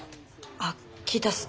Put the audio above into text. あっ聞いたっす